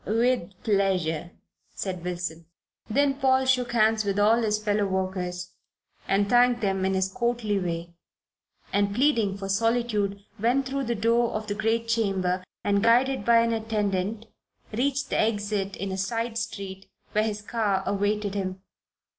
"With pleasure," said Wilson. Then Paul shook hands with all his fellow workers and thanked them in his courtly way, and, pleading for solitude, went through the door of the great chamber and, guided by an attendant, reached the exit in a side street where his car awaited him.